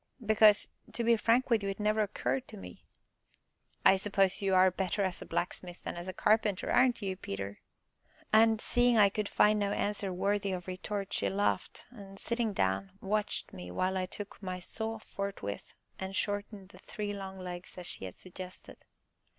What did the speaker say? "Because, to be frank with you, it never occurred to me." "I suppose you are better as a blacksmith than a carpenter, aren't you, Peter?" And, seeing I could find no answer worthy of retort, she laughed, and, sitting down, watched me while I took my saw, forthwith, and shortened the three long legs as she had suggested.